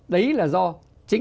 đấy là do chính sách thu nạp